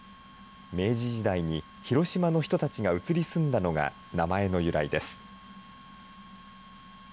明治時代に広島の人たちが移り住んだのが名前の由来です。